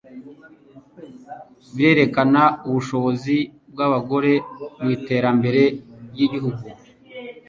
birerekana ubushobozi bw'abagore mu iterambere ry'igihugu